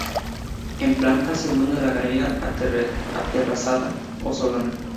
En planta segunda galería aterrazada o solana.